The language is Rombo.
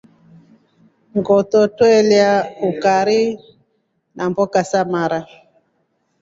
Ngoto twelya ukari namboka za mara.